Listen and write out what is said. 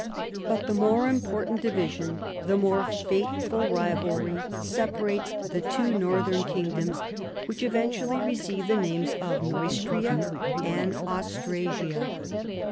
But the more important division, the more fateful rivalry separates the two northern kingdoms, which eventually receive the names of Neustria * and Aus trasia.